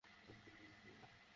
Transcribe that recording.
ওদের সবকটাকে মারতে পেরেছি?